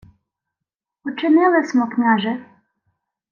— Учинили смо, княже.